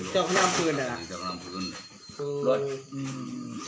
หาพวกผู้เอง